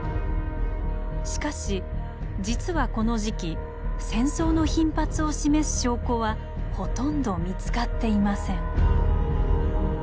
しかし実はこの時期戦争の頻発を示す証拠はほとんど見つかっていません。